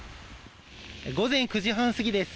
午前９時半過ぎです